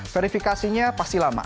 verifikasinya pasti lama